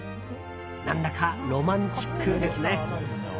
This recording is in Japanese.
何だかロマンチックですね。